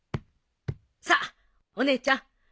さあお姉ちゃん。